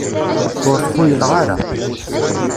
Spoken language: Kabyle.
Ur t-xuyleɣ ara.